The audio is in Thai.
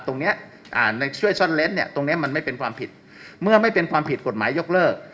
ตรงนี้ในช่วยซ่อนเล้นเนี่ยตรงนี้มันไม่เป็นความผิดเมื่อไม่เป็นความผิดกฎหมายยกเลิก